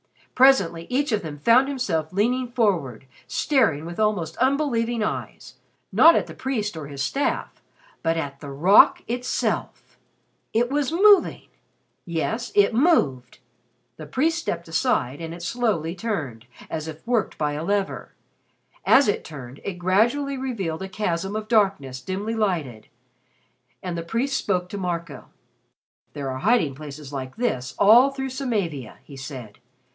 Presently each of them found himself leaning forward, staring with almost unbelieving eyes, not at the priest or his staff, but at the rock itself! It was moving! Yes, it moved. The priest stepped aside and it slowly turned, as if worked by a lever. As it turned, it gradually revealed a chasm of darkness dimly lighted, and the priest spoke to Marco. "There are hiding places like this all through Samavia," he said.